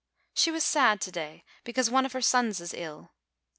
She was sad to day, because one of her sons is ill.